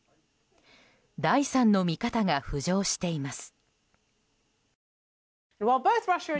第３の見方が浮上しています。